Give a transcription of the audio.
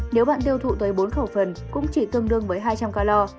nếu bạn tiêu thụ tới bốn khẩu phần cũng chỉ tương đương với hai trăm linh calor